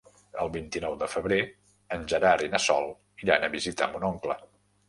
El vint-i-nou de febrer en Gerard i na Sol iran a visitar mon oncle.